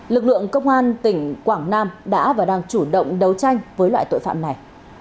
lực lượng công an tỉnh quảng nam đã và đang chủ động đấu tranh với loại tội phạm này